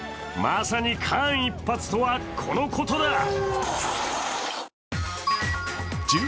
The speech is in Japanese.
まさに間一髪とはこのことだ。